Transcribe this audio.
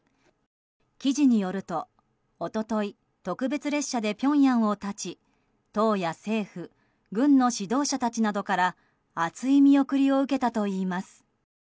記事によると、一昨日特別列車でピョンヤンを発ち党や政府軍の指導者たちなどから熱い見送りを受けたといいます。